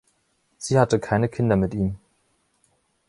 Sie hatte keine Kinder mit ihm.